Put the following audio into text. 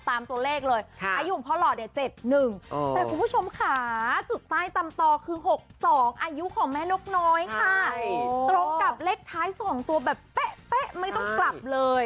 กับเล็กท้าย๒ตัวแบบเป๊ะไม่ต้องกลับเลย